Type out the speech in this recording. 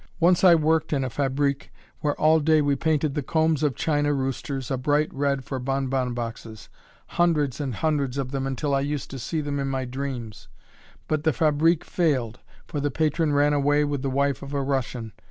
Once I worked in a fabrique, where, all day, we painted the combs of china roosters a bright red for bon bon boxes hundreds and hundreds of them until I used to see them in my dreams; but the fabrique failed, for the patron ran away with the wife of a Russian.